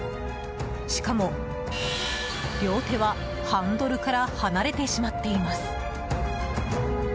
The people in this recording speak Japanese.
しかも、両手はハンドルから離れてしまっています。